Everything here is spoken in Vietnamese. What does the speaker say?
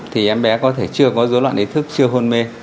thì em bé có thể chưa có dối loạn ý thức chưa hôn mê